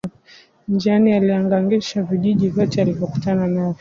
Njiani aliangamiza vijiji vyote alivyokutana navyo